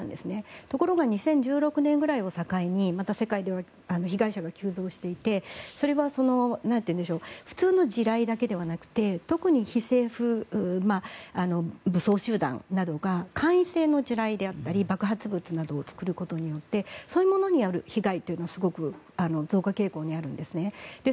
ところが２０１６年くらいを境にまた世界では被害者が急増していてそれは普通の地雷だけではなくて特に非政府、武装集団などが簡易性の地雷であったり爆発物などを作ることによってそういうものによる被害はすごく増加傾向にあるんです。